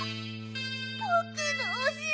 ぼくのおしろが！